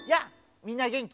みんなげんき？